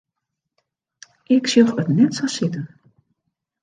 Ik sjoch it net sa sitten.